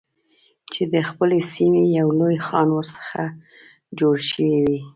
چې د خپلې سیمې یو لوی خان ورڅخه جوړ شوی وي.